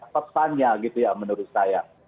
pesannya gitu ya menurut saya